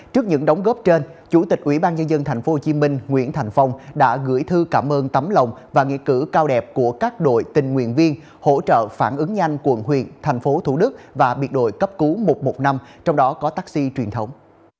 với những đóng góp trên chủ tịch ủy ban nhân dân tp hcm nguyễn thành phong đã gửi thư cảm ơn tấm lòng và nghị cử cao đẹp của các đội tình nguyện viên hỗ trợ phản ứng nhanh quận huyện tp thủ đức và biệt đội cấp cứu một trăm một mươi năm trong đó có taxi truyền thống